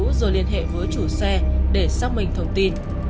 và được liên hệ với chủ xe để xác minh thông tin